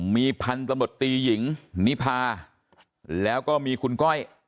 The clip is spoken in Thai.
มีพันธุ์ตำรวจตีหญิงนิพาแล้วก็มีคุณก้อย